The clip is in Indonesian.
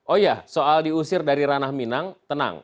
oh ya soal diusir dari ranah minang tenang